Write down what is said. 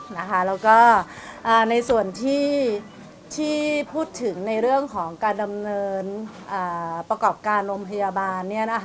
แล้วก็ในส่วนที่พูดถึงในเรื่องของการดำเนินประกอบการโรงพยาบาล